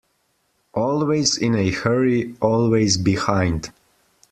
Always in a hurry, always behind.